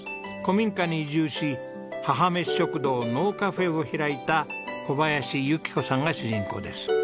古民家に移住し母めし食堂のうカフェを開いた小林由紀子さんが主人公です。